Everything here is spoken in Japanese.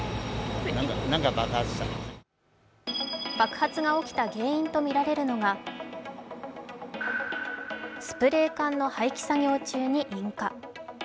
爆発が起きた原因とみられるのがスプレー缶の廃棄作業中に引火。